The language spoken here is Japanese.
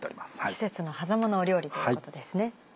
季節のはざまの料理ということですね。